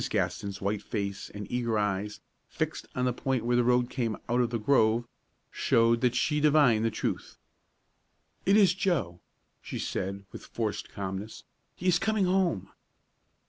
Gaston's white face and eager eyes, fixed on the point where the road came out of the grove, showed that she divined the truth. "It is Joe!" she said, with forced calmness. "He is coming home!"